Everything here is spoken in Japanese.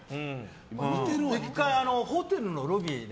１回ホテルのロビーで。